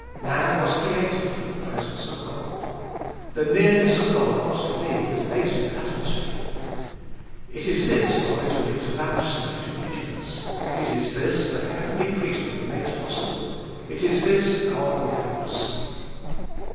Man was created for the presence of God. The nearness of God was to be his native atmosphere. It is this God is willing to vouchsafe to each of us ; it is this the heavenly priesthood makes possible ; it is this God would have us seek.